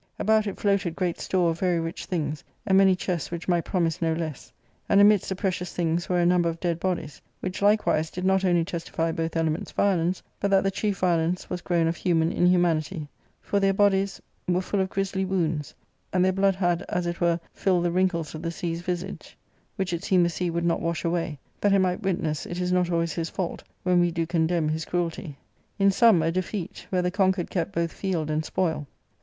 About it floated great store of very rich things, and many chests which might promise no less. And amidst the precious things were a number of dead bodies, which likewise did not only testify both elements' violence, but that the chief violence was grown otf human inhumanity/ for their bodies were full of grislvwounds. amLjJi£ir..blQ.QdJiLad, as it were J filled the wrinkles of the sea's visage,^ which it seemed the sea would not wash away, that it might witness it is not , always his fault when we do condemn his cruelty. In sum, a defeat, where the conquered kept both field and spoil ; a * Hulling^ floating lazily to and fro. y 8 ARCADIA.—Book L